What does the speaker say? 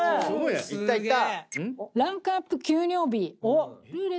いったいった。